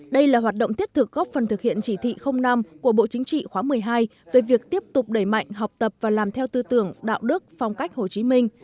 đây là hoạt động thiết thực góp phần thực hiện chỉ thị năm của bộ chính trị khóa một mươi hai về việc tiếp tục đẩy mạnh học tập và làm theo tư tưởng đạo đức phong cách hồ chí minh